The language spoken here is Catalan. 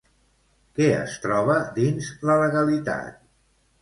Què es troba dins la legalitat?